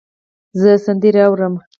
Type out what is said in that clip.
زه سندرې اورم.